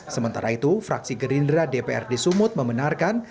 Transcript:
sementara itu fraksi gerindra dprd sumut membenarkan